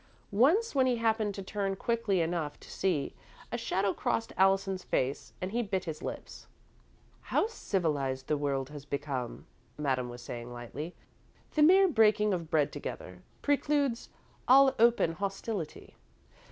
Once, when he happened to turn quickly enough to see, a shadow crossed Allison's face, and he bit his lips. "How civilised the world has become," Madame was saying, lightly. "The mere breaking of bread together precludes all open hostility.